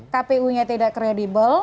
kpu nya tidak kredibel